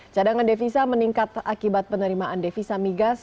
cadangan devisa meningkat akibat penerimaan devisa migas